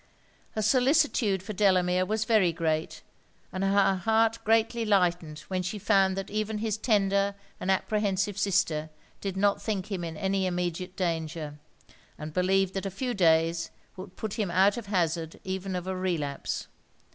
Her solicitude for Delamere was very great; and her heart greatly lightened when she found that even his tender and apprehensive sister did not think him in any immediate danger, and believed that a few days would put him out of hazard even of a relapse.